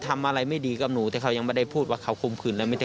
ทำอะไรไม่ดีกับหนูแต่เขายังไม่ได้พูดว่าเขาข่มขืนเลย